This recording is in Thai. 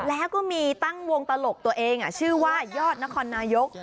แล้วก็มีตั้งวงตลกตัวเองชื่อว่ายอดนครนายก